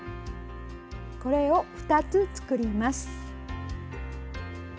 これを２つ作ります。